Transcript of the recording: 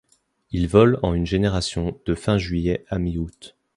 Il vole en une génération, de fin juillet à mi-août.